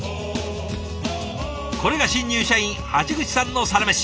これが新入社員橋口さんのサラメシ。